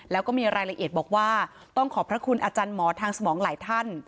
แล้วก็มีรายละเอียดบอกว่าต้องขอบพระคุณอาจารย์หมอทางสมองหลายท่าน